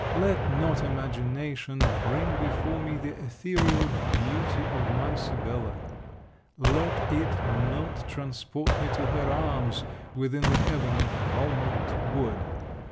Let not imagination bring before me the etherial beauty of my Sibella! Let it not transport me to her arms, within the heaven of Valmont wood!